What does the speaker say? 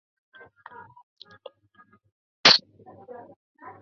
মিশর, জর্ডান ও সিরিয়া এবং ইরাকের প্রেরণ করা সেনাদলের সম্মিলিত বাহিনী ফিলিস্তিনে ঢুকে পড়ে।